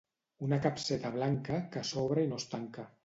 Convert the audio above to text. Una capseta blanca, que s'obre i no es tanca.